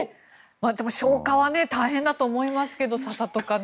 でも、消化は大変だと思いますけどね。